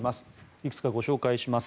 いくつかご紹介します。